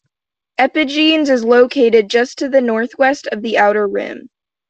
Epigenes is located just to the northwest of the outer rim.